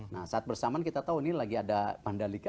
nah saat bersamaan kita tahu ini lagi ada mandalika